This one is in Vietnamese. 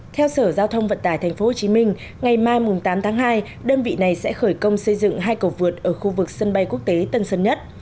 theo sở giao thông vận tải tp hcm ngày mai tám tháng hai đơn vị này sẽ khởi công xây dựng hai cầu vượt ở khu vực sân bay quốc tế tân sơn nhất